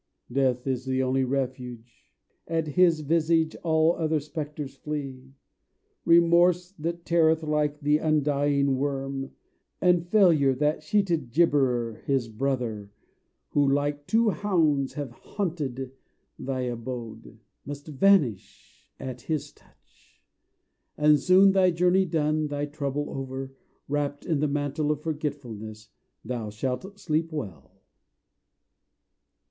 Death is the only refuge: at his visage All other spectres flee. Remorse that teareth Like the undying worm, and Failure, That sheeted gibberer, his brother, Who like two hounds have haunted thy abode, Must vanish at his touch: And soon, thy journey done, thy trouble over, Wrapped in the mantle of forgetfulness Thou shalt sleep well.